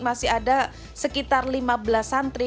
masih ada sekitar lima belas santri